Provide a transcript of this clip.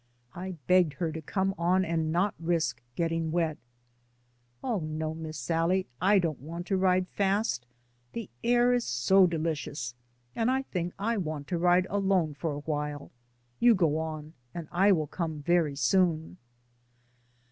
I begged her to come on and not risk getting wet. "Oh no, Miss SalHe; I don't want to ride fast. This air is so dehcious, and I think I want to ride alone for a while; you go on, and I will come very soon."